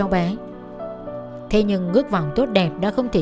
mình không nghe nói gì